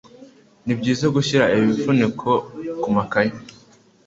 Nibyiza gushyira ibifuniko kumakayi.